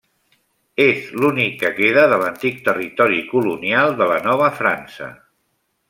És l'únic que queda de l'antic territori colonial de la Nova França.